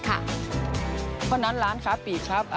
เพราะฉะนั้นร้านค้าปีกครับ